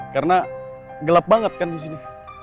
karena gelap banget kan disini